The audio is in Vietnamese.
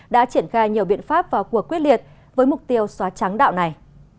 đã triển khai nhiều biện pháp và cuộc quyết liệt với mục tiêu xóa trắng đạo này